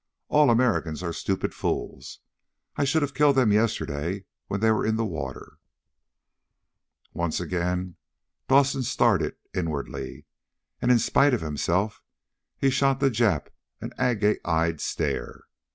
All Americans are stupid fools. I should have killed them yesterday when they were in the water." Once again Dawson started inwardly, and in spite of himself he shot the Jap an agate eyed stare.